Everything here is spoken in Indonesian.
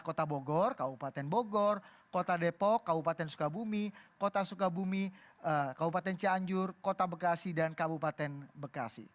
kota bogor kabupaten bogor kota depok kabupaten sukabumi kota sukabumi kabupaten cianjur kota bekasi dan kabupaten bekasi